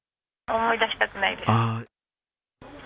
思い出したくないです。